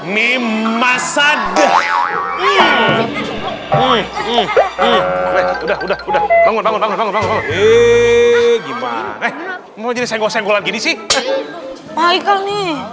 memasak udah udah bangun bangun eh gimana mau jadi senggol senggolan gini sih michael nih